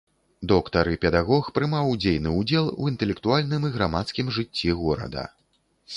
Доктар і педагог прымаў дзейны ўдзел у інтэлектуальным і грамадскім жыцці горада.